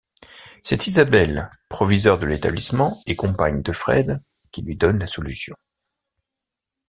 C'est Isabelle, proviseur de l'établissement et compagne de Fred, qui lui donne la solution.